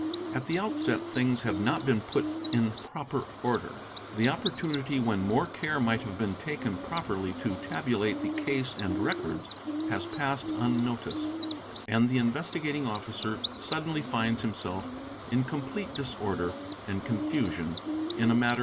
At the outset things have not been put in proper order; the oppor tunity when more care might have been taken properly to tabulate the case and records, has passed unnoticed; and the Investigating Officer suddenly finds himself in complete disorder and confusion in a matte .